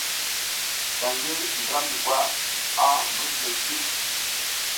Sla ngi Slramdi kwa a mbruc disl.